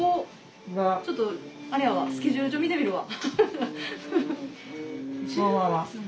ちょっとあれやわスケジュール帳見てみるわ。